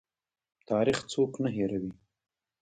تاریخ څوک نه هیروي